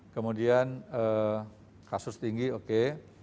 kemudian kasus tinggi oke